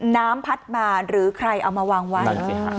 น้ำพัดมาหรือใครเอามาวางไว้